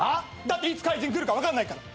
だっていつ怪人来るか分かんないから。